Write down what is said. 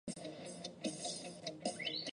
后改任中共江西省委组织部副部长。